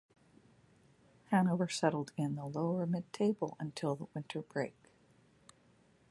Hannover settled in the lower-mid-table until the winter break.